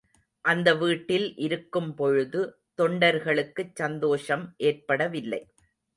அந்த வீட்டில் இருக்கும்பொழுது தொண்டர்களுக்குச் சந்தோஷம் ஏற்படவில்லை.